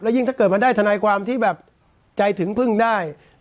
ยิ่งถ้าเกิดมันได้ทนายความที่แบบใจถึงพึ่งได้